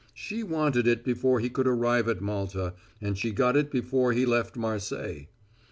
She wanted it before he could arrive at Malta and she got it before he left Marseilles.